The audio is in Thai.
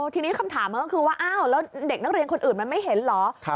ทีนี้คำถามก็คือว่าอ้าวแล้วเด็กนักเรียนคนอื่นมันไม่เห็นเหรอ